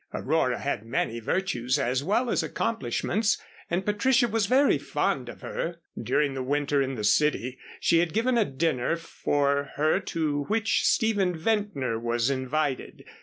Aurora had many virtues as well as accomplishments, and Patricia was very fond of her. During the winter in the city, she had given a dinner for her to which Stephen Ventnor was invited.